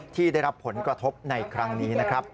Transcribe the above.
ที่ได้รับผลกระทบในครั้งนี้นะครับ